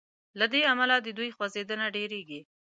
له دې امله د دوی خوځیدنه ډیریږي.